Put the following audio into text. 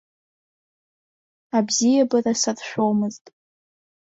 Абзиабара саршәомызт.